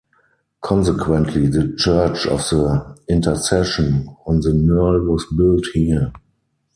Consequently, the Church of the Intercession on the Nerl was built here.